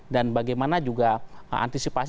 dan bagaimana juga antisipasi